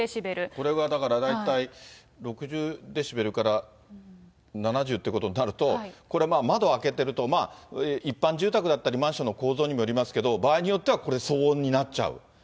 これはだから大体６０デシベルから７０っていうことになると、これ、窓開けてると、一般住宅だったり、マンションの構造にもよりますけれども、場合によってはこれ、騒音になっちゃう。